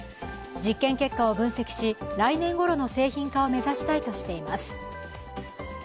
実験結果を分析し、来年ごろの製品化を目指したいとしています。